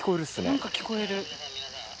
なんか聞こえる。